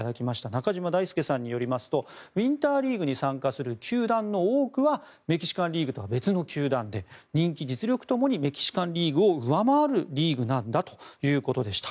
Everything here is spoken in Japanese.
中島大輔さんによりますとウィンターリーグに参加する球団の多くはメキシカンリーグとは別の球団で人気、実力ともにメキシカンリーグを上回るリーグなんだということでした。